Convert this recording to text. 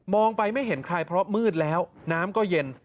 ไปไม่เห็นใครเพราะมืดแล้วน้ำก็เย็น